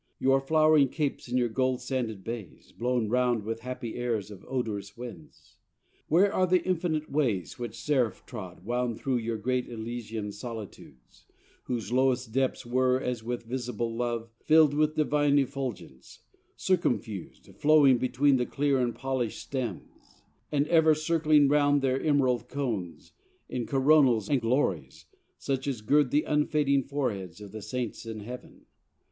Your flowering Capes and your gold sanded bays Blown round with happy airs of odorous winds? Where are the infinite ways which, Seraphtrod, Wound thro' your great Elysian solitudes, Whose lowest depths were, as with visible love, Fill'd with Divine effulgence, circumfus'd, Flowing between the clear and polish'd stems, And ever circling round their emerald cones In coronals and glories, such as gird The unfading foreheads of the Saints in Heaven?